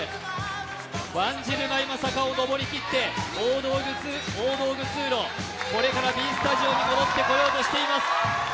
ワンジルが今、坂を上り切って大道具通路、これからＢスタジオに戻ってこようとしています。